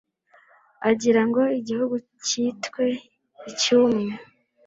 Agira ngo igihugu cyitwe icy' umwe